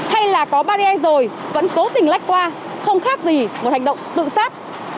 hay là có barrier rồi vẫn cố tình lách qua không khác gì một hành động tự sát